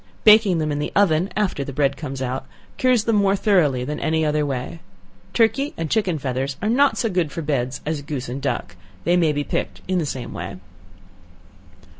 Baking them in the oven after the bread comes out, cures them more thoroughly than any other way. Turkey and chicken feathers are not so good for beds as goose and duck; they may be picked in the same way.